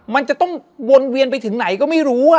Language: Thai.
มันจะต้องวนเวียนไปถึงไหนก็ไม่รู้